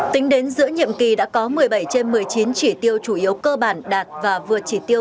tính đến giữa nhiệm kỳ đã có một mươi bảy trên một mươi chín chỉ tiêu chủ yếu cơ bản đạt và vượt chỉ tiêu